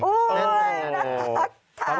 โอ้โฮนักภักษ์ค่ะ